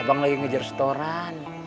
abang lagi ngejar setoran